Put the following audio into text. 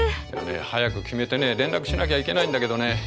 早く決めてね連絡しなきゃいけないんだけどね。